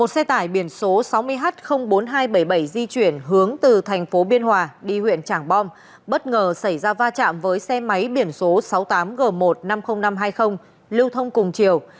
chiếc h bốn nghìn hai trăm bảy mươi bảy di chuyển hướng từ thành phố biên hòa đi huyện trảng bom bất ngờ xảy ra va chạm với xe máy biển số sáu mươi tám g một trăm năm mươi nghìn năm trăm hai mươi lưu thông cùng chiều